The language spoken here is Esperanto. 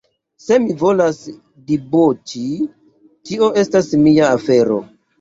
Se mi volas diboĉi, tio estas mia afero.